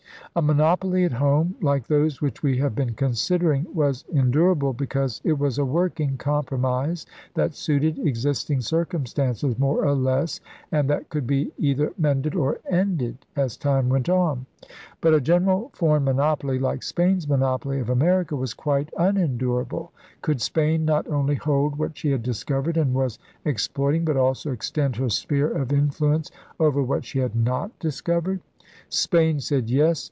A monopoly at home — like those which we have been considering — was endurable because it was a working compromise that suited existing circumstances more or less, and that could be either mended or ended as time went on. But a general foreign monopoly — like Spain's monopoly of America — was quite unendurable. Could Spain not only hold what she had discovered and was ex ploiting but also extend her sphere of influence over what she had not discovered? Spain said Yes.